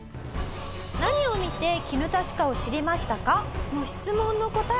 「何を見てきぬた歯科を知りましたか？」の質問の答え